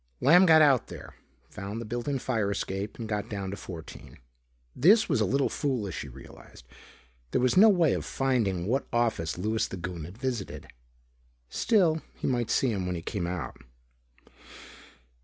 Lamb got out there, found the built in fire escape, and got down to fourteen. This was a little foolish, he realized. There was no way of finding what office Louis the Goon had visited. Still, he might see him when he came out.